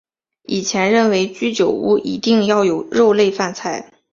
以前认为居酒屋一定要有肉类饭菜。